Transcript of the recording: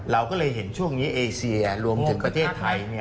เราก็เลยเห็นช่วงนี้เอเซียรวมถึงประเทศไทย